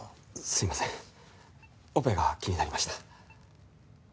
すいません。